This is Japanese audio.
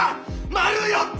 「丸４つ」